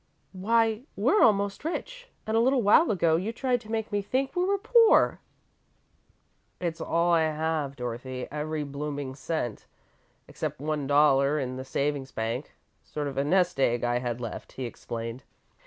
"Why, we're almost rich, and a little while ago you tried to make me think we were poor!" "It's all I have, Dorothy every blooming cent, except one dollar in the savings bank. Sort of a nest egg I had left," he explained.